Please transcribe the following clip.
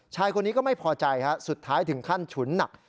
ชายคนนี้ก็ไม่พอใจสุดท้ายถึงขั้นฉุนหนัก